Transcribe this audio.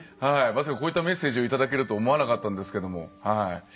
まさか、こういったメッセージをいただけるとは思わなかったんですけど。